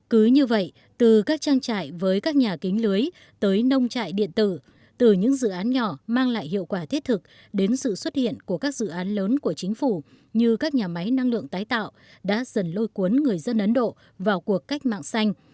cứ như vậy từ các trang trại với các nhà kính lưới tới nông trại điện tử từ những dự án nhỏ mang lại hiệu quả thiết thực đến sự xuất hiện của các dự án lớn của chính phủ như các nhà máy năng lượng tái tạo đã dần lôi cuốn người dân ấn độ vào cuộc cách mạng xanh